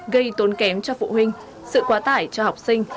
gây tốn kém cho phụ huynh sự quá tải cho học sinh